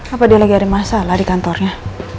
apa dia lagi ada masalah di kantornya